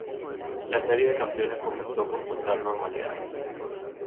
La serie de campeones comenzó con total normalidad.